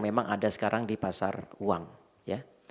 memang ada sekarang di pasar uang ya